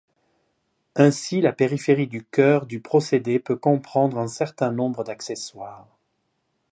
Ainsi la périphérie du cœur du procédé peut comprendre un certain nombre d’accessoires.